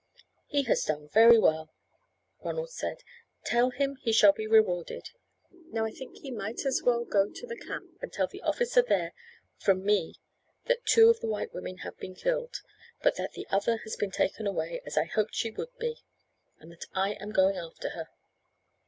"He has done very well," Ronald said; "tell him he shall be well rewarded. Now I think he might as well go to the camp and tell the officer there from me that two of the white women have been killed; but that the other has been taken away, as I hoped she would be, and that I am going after her."